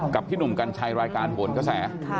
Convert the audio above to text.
พี่หนุ่มกัญชัยรายการโหนกระแส